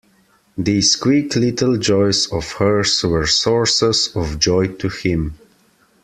These quick little joys of hers were sources of joy to him.